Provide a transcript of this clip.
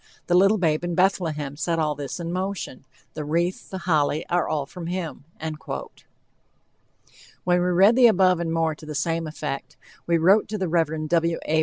The little babe in Bethlehem set all this in motion, the wreath, the holly, are all from him." When we read the above and more to the same effect, we wrote to the Rev. W. A.